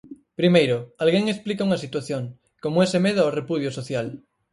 Primeiro, alguén explica unha situación, como ese medo ao repudio social.